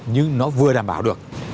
nhưng nó vừa đảm bảo được